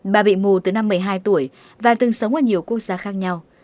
bà bị mù từ năm một mươi hai tuổi và từng sống ở nhiều quốc gia khác nhau